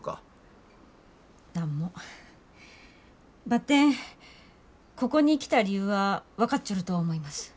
ばってんここに来た理由は分かっちょると思います。